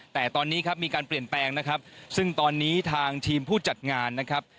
แต่ตอนนี้ครับมีการเปลี่ยนแปลงนะครับซึ่งตอนนี้ทางทีมผู้จัดงานนะครับ